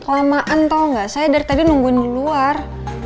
lamaan tau gak saya dari tadi nungguin di luar